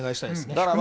だから。